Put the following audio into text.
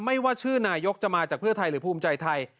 ไม่ว่าชื่อนายกจะมาจากเพื่อไทยหรือภูมิใจไทย